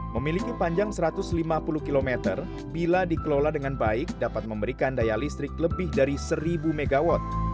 memiliki panjang satu ratus lima puluh km bila dikelola dengan baik dapat memberikan daya listrik lebih dari seribu mw